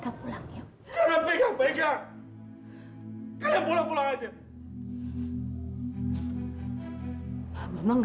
aku mau pulang